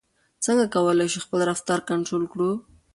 څنګه کولای شو خپل رفتار کنټرول کړو؟